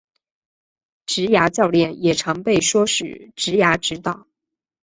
职涯教练也常被说是职涯指导。